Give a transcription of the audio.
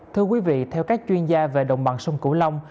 thưa quý vị theo các chuyên gia về đồng bằng sông cửu long